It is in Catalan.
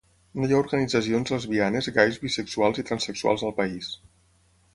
No hi ha organitzacions lesbianes, gais, bisexuals i transsexuals al país.